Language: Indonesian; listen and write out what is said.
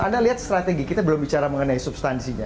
anda lihat strategi kita belum bicara mengenai substansinya